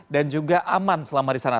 dan juga aman selama di sana